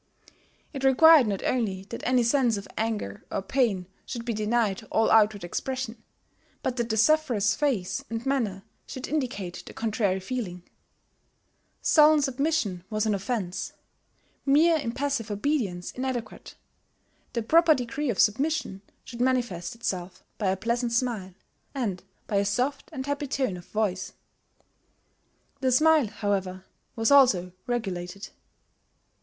It required not only that any sense of anger or pain should be denied all outward expression, but that the sufferer's face and manner should indicate the contrary feeling. Sullen submission was an offence; mere impassive obedience inadequate: the proper degree of submission should manifest itself by a pleasant smile, and by a soft and happy tone of voice. The smile, however, was also regulated.